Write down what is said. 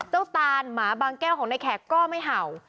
ตานหมาบางแก้วของในแขกก็ไม่เห่า